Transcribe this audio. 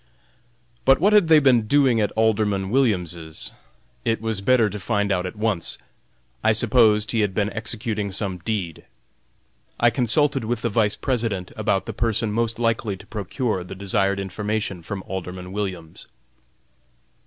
But what had they been doing at Alderman Williams's? It was better to find out at once. I supposed he had been executing some deed. I consulted with the Vice President about the person most likely to procure the desired information from Alderman Williams.